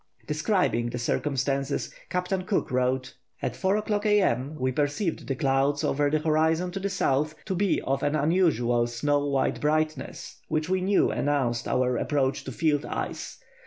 Describing the circumstances Captain Cook wrote: "At four o'clock A.M. we perceived the clouds, over the horizon to the south, to be of an unusual snow white brightness, which we knew announced our approach to field ice.